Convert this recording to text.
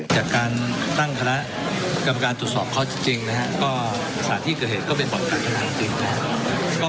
จากการตั้งคำละกรรมการตรวจสอบเค้าจริงจริงนะฮะก็สาธิตเกิดเหตุก็เป็นบ่อนการพนันจริงครับ